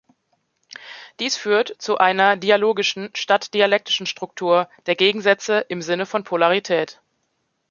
Dies führt zu einer dialogischen statt dialektischen Struktur der Gegensätze im Sinne von Polarität.